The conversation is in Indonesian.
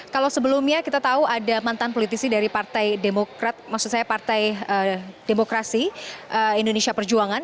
kalau sebelumnya kita tahu ada mantan politisi dari partai demokrat maksud saya partai demokrasi indonesia perjuangan